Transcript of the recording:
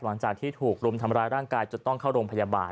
หลังจากที่ถูกรุมทำร้ายร่างกายจนต้องเข้าโรงพยาบาล